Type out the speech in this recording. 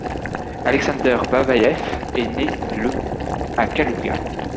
Aleksandr Babaïev est né le à Kalouga.